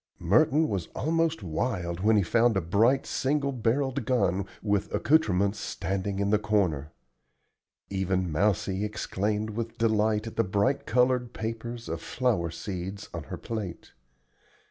Merton was almost wild when he found a bright single barrelled gun with accoutrements standing in the corner. Even Mousie exclaimed with delight at the bright colored papers of flower seeds on her plate.